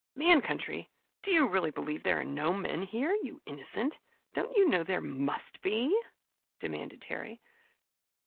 "Man Country! Do you really believe there are no men here, you innocent? Don't you know there must be?" demanded Terry.